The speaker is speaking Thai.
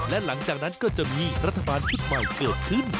และหลังจากนั้นก็จะมีรัฐบาลชุดใหม่เกิดขึ้น